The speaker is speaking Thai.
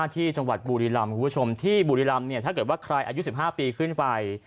ที่บูริลัมณ์เนี่ยถ้าเกิดว่าใครอายุ๑๕ปีขึ้นไป